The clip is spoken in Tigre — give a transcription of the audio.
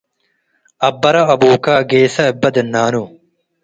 አበረ አቡከ - ጌሰ እበ ደናኑ